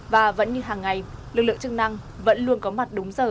và vẫn như hàng ngày lực lượng chức năng vẫn luôn có mặt đúng giờ